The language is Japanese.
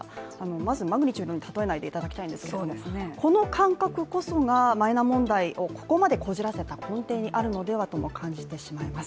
まずマグニチュードに例えないでいただきたいんですけども、この感覚こそがマイナ問題をここまでこじらせた根底にあるのではと感じてしまいます。